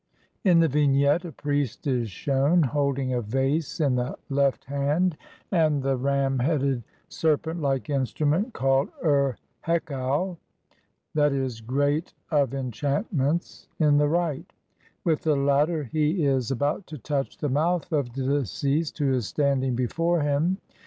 In the vignette a priest is shewn holding a vase in the left hand, and THE CHAPTER OF GIVING A MOUTH TO THE DECEASED. 69 the ram headed serpent like instrument called "Ur hekau" {i.e., "great of enchantments") in the right ; with the latter he is about to touch the mouth of the deceased who is standing be fore him.